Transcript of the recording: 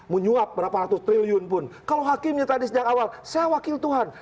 menyuap berapa ratus triliun pun kalau hakimnya tadi sejak awal saya wakil tuhan